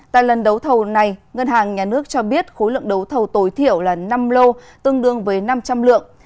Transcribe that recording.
tại lần đấu thầu này ngân hàng nhà nước cho biết khối lượng đấu thầu tối thiểu là năm lô tương đương với năm trăm linh lượng